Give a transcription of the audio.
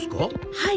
はい。